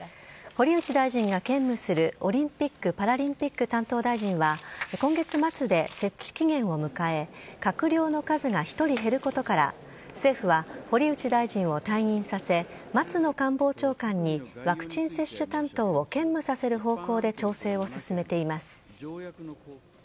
堀内大臣が兼務するオリンピック・パラリンピック担当大臣は今月末で設置期限を迎え、閣僚の数が１人減ることから、政府は堀内大臣を退任させ、松野官房長官に、ワクチン接種担当を兼務させる方向で調整を進めています。